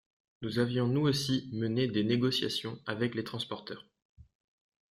Nous avions nous aussi mené des négociations avec les transporteurs.